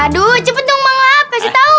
aduh cepet dong bang apa sih tau